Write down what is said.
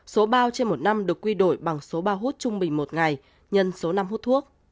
số bao trên một năm được quy đổi bằng số bao hút trung bình một ngày nhân số năm hút thuốc